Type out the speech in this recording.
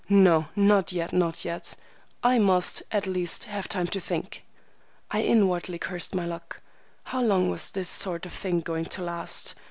No, not yet, not yet. I must, at least, have time to think." I inwardly cursed my luck. How long was this sort of thing going to last?